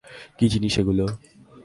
কী জিনিস এগুলো?